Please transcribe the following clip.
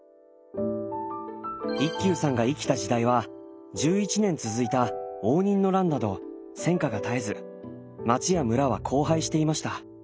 一休さんが生きた時代は１１年続いた応仁の乱など戦渦が絶えず町や村は荒廃していました。